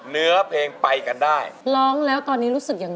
เนื้อเพลงไปเกินได้